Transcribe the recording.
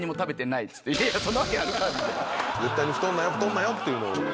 「絶対に太んなよ太んなよ」っていうの。